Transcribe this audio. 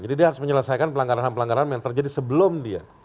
jadi dia harus menyelesaikan pelanggaran ham pelanggaran ham yang terjadi sebelum dia